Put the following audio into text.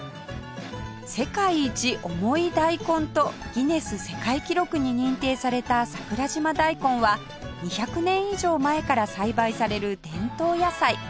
世界一重い大根とギネス世界記録に認定された桜島大根は２００年以上前から栽培される伝統野菜